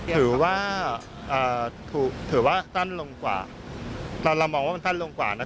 ถือว่าเอ่อถือว่าสั้นลงกว่าแต่เรามองว่ามันสั้นลงกว่านะ